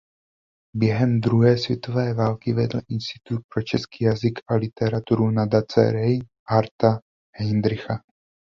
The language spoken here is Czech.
Během druhé světové války vedl Institut pro český jazyk a literaturu Nadace Reinharda Heydricha.